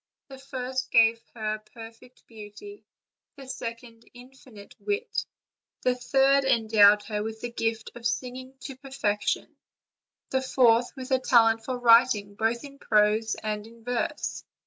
The first gave her perfect beauty; the second, infinite wit; the third en dowed her with the gift of singing to perfection; the fourth, with a talent for writing, both in prose and verse.